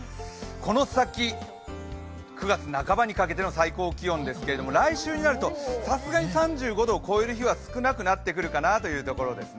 この先、９月半ばにかけての最高気温ですけれども来週になるとさすがに３５度を超える日はなくなってくる感じです。